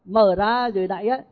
mở ra rồi đẩy á